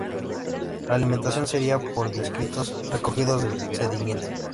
La alimentación sería por detritos recogidos del sedimento.